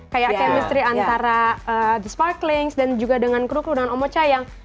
kayak chemistry antara the sparklings dan juga dengan kru kru dengan omocha yang